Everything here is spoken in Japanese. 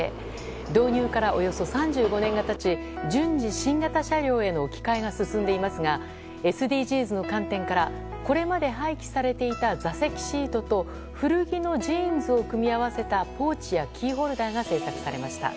導入から、およそ３５年が経ち順次、新型車両への置き換えが進んでいますがＳＤＧｓの観点からこれまで廃棄されていた座席シートと古着のジーンズを組み合わせたポーチやキーホルダーが製作されました。